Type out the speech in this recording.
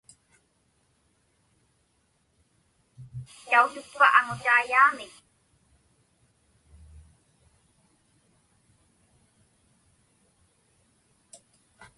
Tautukpa aŋutaiyaamik?